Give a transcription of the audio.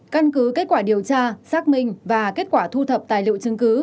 căn cứ kết quả điều tra xác minh và kết quả thu thập tài liệu chứng cứ